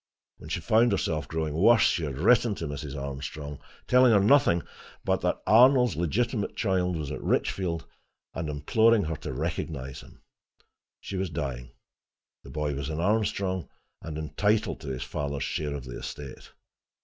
When she found herself growing worse, she had written to Mrs. Armstrong, telling her nothing but that Arnold's legitimate child was at Richfield, and imploring her to recognize him. She was dying: the boy was an Armstrong, and entitled to his father's share of the estate.